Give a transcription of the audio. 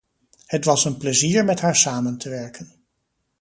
Het was een plezier met haar samen te werken.